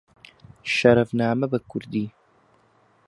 شەرەفنامە بە کوردی